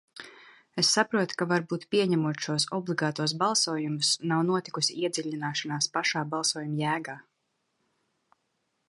Es saprotu, ka varbūt, pieņemot šos obligātos balsojumus, nav notikusi iedziļināšanās pašā balsojuma jēgā.